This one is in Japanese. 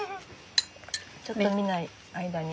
ちょっと見ない間に。